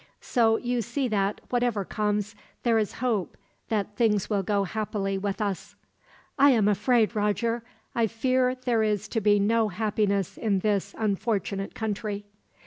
So you see that, whatever comes, there is hope that things will go happily with us." "I am afraid, Roger. I fear there is to be no happiness in this unfortunate country."